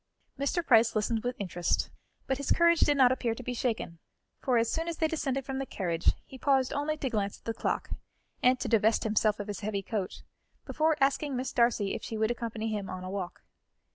Mr. Price listened with interest, but his courage did not appear to be shaken, for as soon as they descended from the carriage, he paused only to glance at the clock, and to divest himself of his heavy coat, before asking Miss Darcy if she would accompany him on a walk.